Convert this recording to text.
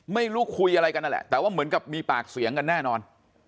ไม่รู้คุยอะไรกันนั่นแหละแต่ว่าเหมือนกับมีปากเสียงกันแน่นอน